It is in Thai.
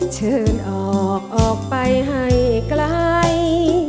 เชิญออกออกไปให้ไกล